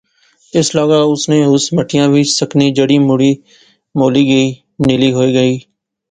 اس لاغا اس نی اس مٹیا وچ سکنی جڑ مڑی مولی گئی، نیلی ہوئی گئی